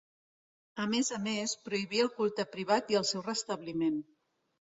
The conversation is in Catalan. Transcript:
A més a més, prohibí el culte privat i el seu restabliment.